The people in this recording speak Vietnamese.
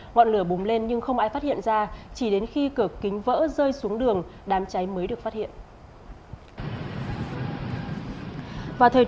ngọn lửa bùng lên nhưng không ai phát hiện ra chỉ đến khi cửa kính vỡ rơi xuống đường đám cháy mới được phát hiện